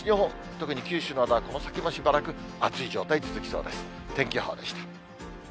特に九州などは、この先もしばらく熱い状態、続きそうです。